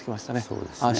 そうですね。